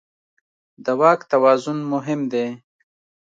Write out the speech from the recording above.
د واک توازن مهم دی.